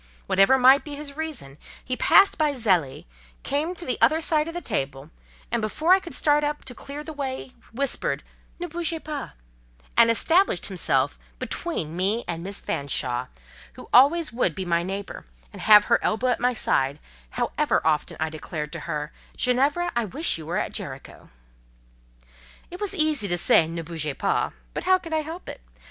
Whatever might be his reason, he passed by Zélie, came to the other side of the table, and before I could start up to clear the way, whispered, "Ne bougez pas," and established himself between me and Miss Fanshawe, who always would be my neighbour, and have her elbow in my side, however often I declared to her, "Ginevra, I wish you were at Jericho." It was easy to say, "Ne bougez pas;" but how could I help it?